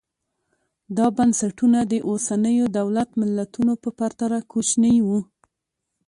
دا بنسټونه د اوسنیو دولت ملتونو په پرتله کوچني وو